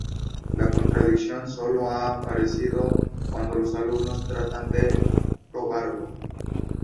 La contradicción sólo ha aparecido cuando los alumnos tratan de probarlo.